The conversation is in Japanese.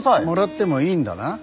もらってもいいんだな。